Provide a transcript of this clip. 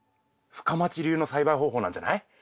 深町流の栽培方法なんじゃない？